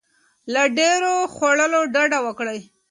له ډیر خوړلو ډډه وکړئ.